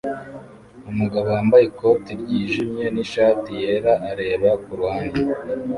Umugabo wambaye ikoti ryijimye nishati yera areba kuruhande